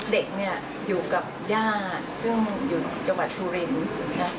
เด็กเนี่ยอยู่กับย่าซึ่งอยู่จังหวัดสุรินทร์นะ